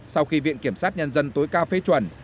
sau khi viện kiểm sát nhân dân tối cao phê chuẩn